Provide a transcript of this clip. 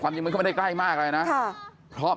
ความจริงมันก็ไม่ได้ใกล้มากเลยนะค่ะ